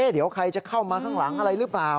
เดี๋ยวใครจะเข้ามาข้างหลังอะไรหรือเปล่า